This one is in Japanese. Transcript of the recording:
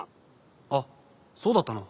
あっそうだったの？